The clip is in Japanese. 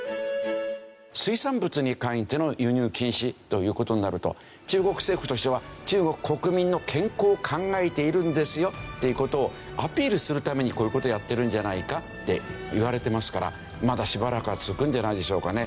水産物に関しての輸入禁止という事になると中国政府としては中国国民の健康を考えているんですよっていう事をアピールするためにこういう事をやってるんじゃないかっていわれてますからまだしばらくは続くんじゃないでしょうかね。